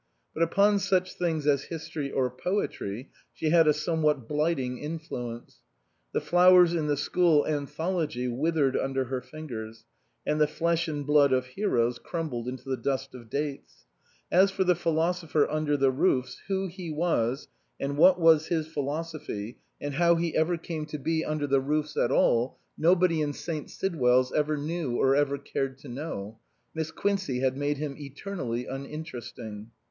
But upon such things as history or poetry she had a somewhat blight ing influence. The flowers in the school An thology withered under her fingers, and the flesh and blood of heroes crumbled into the dust of dates. As for the philosopher under the roofs, who he was, and what was his philosophy, and how he ever came to be under 206 MISS QUINCEY STOPS THE WAY the roofs at all, nobody in St. Sidwell's ever knew or ever cared to know ; Miss Quincey had made him eternally uninteresting.